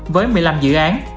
với một mươi năm dự án